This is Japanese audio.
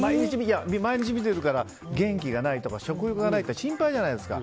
毎日見ているから元気がないとか食欲がないって心配じゃないですか。